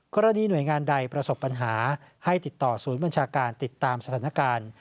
กรณีหน่วยงานใดประสบปัญหาให้ติดต่อศูนย์บัญชาการติดตามสถานการณ์